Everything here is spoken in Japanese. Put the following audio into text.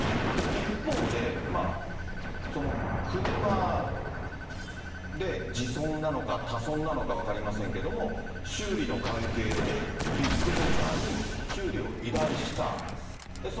一方で、車で自損なのか他損なのか分かりませんけれども、修理の関係でビッグモーターに修理を依頼した。